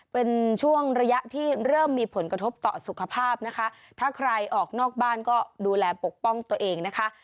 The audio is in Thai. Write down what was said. เป็นช่วงระยะที่เริ่มมีผลกระทบต่อสุขภาพนะคะถ้าใครออกนอกบ้านก็ดูแลปกป้องตัวเองนะคะ